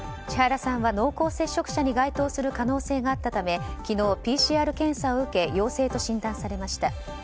千原さんは濃厚接触者に該当する可能性があったため昨日、ＰＣＲ検査を受け陽性と診断されました。